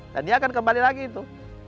dan dia akan kembali lagi itu